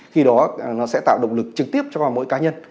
khi đó nó sẽ tạo động lực trực tiếp cho mỗi cá nhân